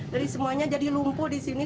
jadi semuanya jadi lumpuh disini